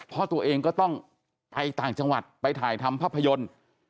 เพราะตัวเองก็ต้องไปต่างจังหวัดไปถ่ายทำภาพยนตร์